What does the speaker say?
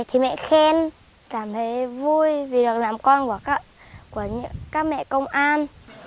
thì mẹ khen cảm thấy vui vì làm con của các mẹ công an